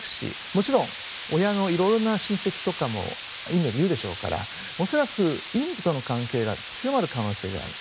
もちろん親の色々な親戚とかもインドにいるでしょうから恐らくインドとの関係が強まる可能性がある。